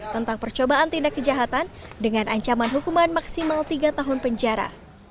tentang percobaan tindak kejahatan dengan ancaman hukuman maksimal tiga tahun penjara